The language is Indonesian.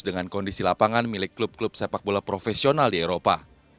dengan kondisi lapangan milik klub klub sepak bola profesional di eropa